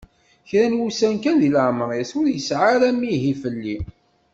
Kra n wussan kan di leɛmer-is ur yesɛi ara amihi fell-i.